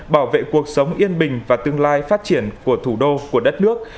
bảo vệ cuộc sống yên bình và tương lai phát triển của thủ đô của đất nước